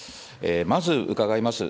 まず伺います。